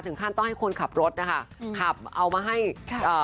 ถึงท่านต้องให้คนขับรถนะคะขับเอามาให้ค่ะเอ่อ